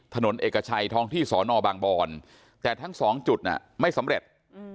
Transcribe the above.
ถนนเอกชัยท้องที่สอนอบางบอนแต่ทั้งสองจุดไม่สำเร็จ